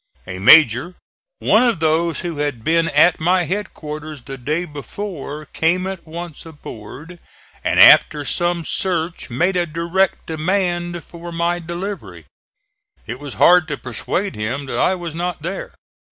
A major, one of those who had been at my headquarters the day before, came at once aboard and after some search made a direct demand for my delivery. It was hard to persuade him that I was not there.